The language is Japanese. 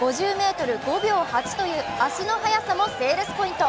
５０ｍ５秒８という足の速さもセールスポイント。